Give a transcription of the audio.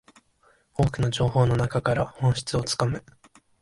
多くの情報の中から本質をつかむ